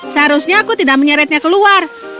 seharusnya aku tidak menyeretnya keluar